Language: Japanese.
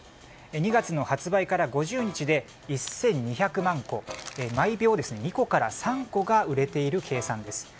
２月の発売から５０日で１２００万個毎秒２個から３個が売れている計算です。